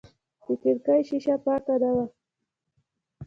د کړکۍ شیشه پاکه نه وه.